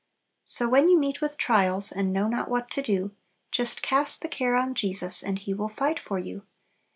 "So, when you meet with trials, And know not what to do; Just cast the care on Jesus, And He will fight for you.